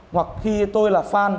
hoặc khi tôi là fan